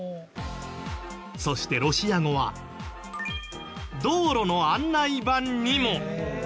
そしてロシア語は道路の案内板にも。